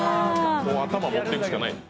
もう頭持っていくしかない。